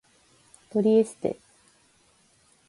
トリエステ